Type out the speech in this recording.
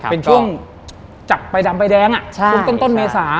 เป็นช่วงจับใบดำใบแดงช่วงต้นเมษา